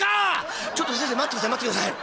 「ちょっと先生待ってください待ってください。